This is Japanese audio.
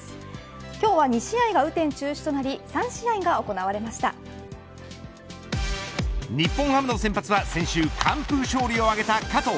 今日は２試合が雨天中止となり日本ハムの先発は先週、完封勝利を挙げた加藤。